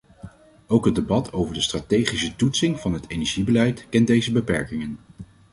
Ook het debat over de strategische toetsing van het energiebeleid kent deze beperkingen.